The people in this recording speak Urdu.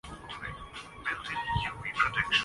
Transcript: کھانے پر آپ کی دعوت کا شکریہ